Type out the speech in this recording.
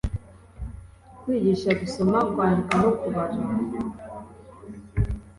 kwigisha gusoma, kwandika no kubara